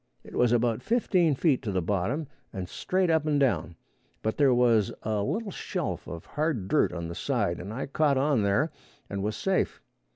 It was about fifteen feet to the bottom and straight up and down, but there was a little shelf of hard dirt on the side, and I caught on there and was safe.